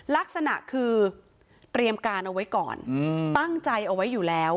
ลักษณะคือเตรียมการเอาไว้ก่อนตั้งใจเอาไว้อยู่แล้ว